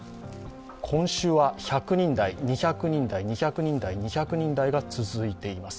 今週は１００人台、２００人台、２００人台が続いています。